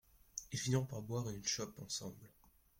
Ils finirent par boire une chope ensemble.